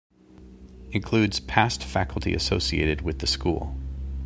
Includes past faculty associated with the school.